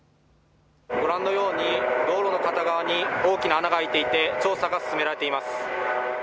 ご覧のように道路の片側に大きな穴が開いていて調査が進められています。